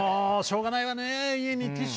しょうがないわね。